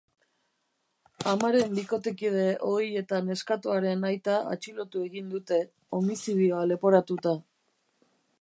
Amaren bikotekide ohi eta neskatoaren aita atxilotu egin dute, homizidioa leporatuta.